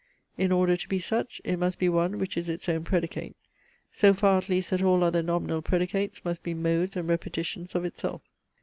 In order to be such, it must be one which is its own predicate, so far at least that all other nominal predicates must be modes and repetitions of itself.